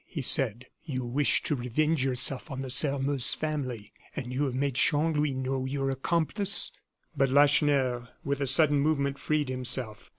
he said. "You wish to revenge yourself on the Sairmeuse family, and you have made Chanlouineau your accomplice?" But Lacheneur, with a sudden movement, freed himself.